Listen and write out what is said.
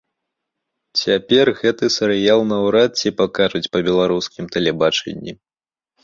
Цяпер гэты серыял наўрад ці пакажуць па беларускім тэлебачанні.